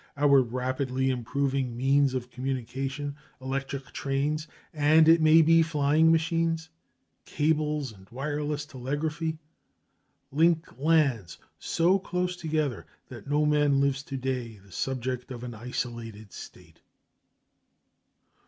Our rapidly improving means of communication, electric trains, and, it may be, flying machines, cables, and wireless telegraphy, link lands so close together that no man lives to day the subject of an isolated state.